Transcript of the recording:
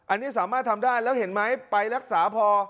อันนี้สามารถทำได้แล้วเห็นไหมไปรักษาพอ